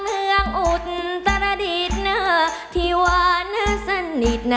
เมืองอุดตรดิษฐ์ที่ว่าสนิท